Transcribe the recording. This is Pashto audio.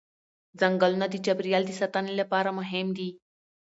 ځنګلونه د چاپېریال د ساتنې لپاره مهم دي